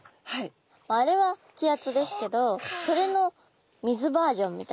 まああれは気圧ですけどそれの水バージョンみたいな。